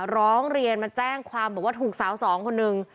ร้องเรียนมาแจ้งความบอกว่าถูกสาวสองคนนึง